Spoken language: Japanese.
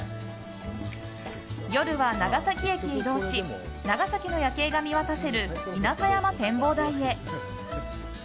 夜は長崎駅へ移動し長崎の夜景が見渡せる稲佐山展望台へ。